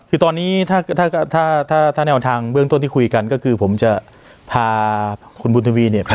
คือตอนนี้ถ้าถ้าแนวทางเบื้องต้นที่คุยกันก็คือผมจะพาคุณบุญทวีเนี่ย